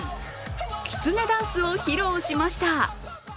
きつねダンスを披露しました。